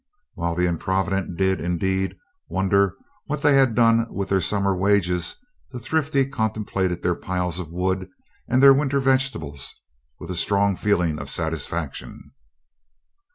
While the improvident did, indeed, wonder what they had done with their summer wages, the thrifty contemplated their piles of wood and their winter vegetables with a strong feeling of satisfaction.